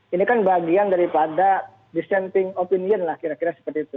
ini kan bagian daripada dissenting opinion lah kira kira seperti itu